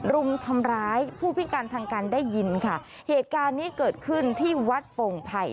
รุมทำร้ายผู้พิการทางการได้ยินค่ะเหตุการณ์นี้เกิดขึ้นที่วัดโป่งไผ่